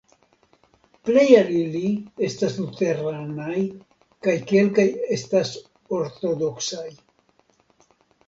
Plej el ili estas luteranaj kaj kelkaj estas ortodoksaj.